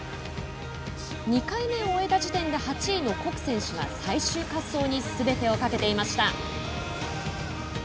２回目を終えた時点で８位の谷選手は最終滑走にすべてをかけていました。